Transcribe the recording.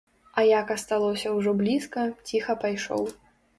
А як асталося ўжо блізка, ціха пайшоў.